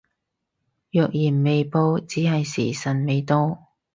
若然未報只係時辰未到